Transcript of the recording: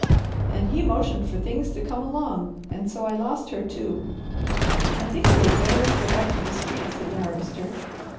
And he motioned for things to come along, and so I lost her too." "I think we had better go back to the street," said the Harvester.